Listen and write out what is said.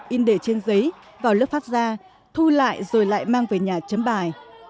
in đề trên giấy vào lớp phát ra thu lại rồi lại mang về nhà chấm bài